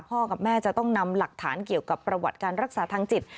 กับแม่จะต้องนำหลักฐานเกี่ยวกับประวัติการรักษาทางจิต